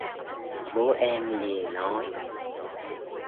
Bố em liền nói